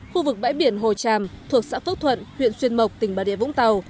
khu vực bãi biển hồ tràm thuộc xã phước thuận huyện xuyên mộc tỉnh bà rịa vũng tàu